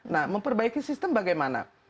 nah memperbaiki sistem bagaimana